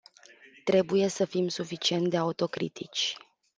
Trebuie să fim suficient de autocritici.